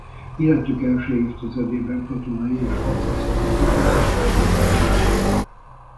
Életük első évtizedében katonai és harcászati kiképzésben részesülnek.